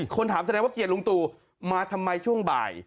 คนถามแสดงว่าเกียรติลุงตูมาทำไมช่วงบ่าย